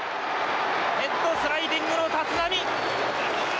ヘッドスライディングの立浪！